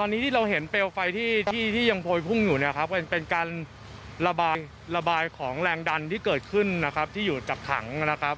ตอนนี้ที่เราเห็นเปลไฟที่ยังพลพุ่งอยู่เป็นการระบายของแรงดันที่เกิดขึ้นที่อยู่กับถัง